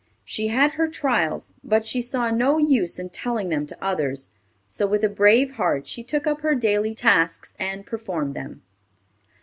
She had her trials, but she saw no use in telling them to others, so with a brave heart she took up her daily tasks and performed them.